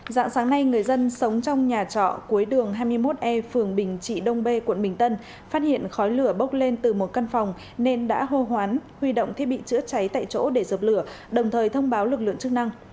dạng sáng nay người dân sống trong nhà trọ cuối đường hai mươi một e phường bình trị đông bê quận bình tân phát hiện khói lửa bốc lên từ một căn phòng nên đã hô hoán huy động thiết bị chữa cháy tại chỗ để dập lửa đồng thời thông báo lực lượng chức năng